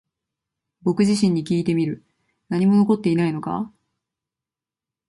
僕自身にきいてみる。何も残っていないのか？